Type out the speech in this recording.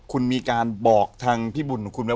คุณมีการบอกทางพี่บุญของคุณไหม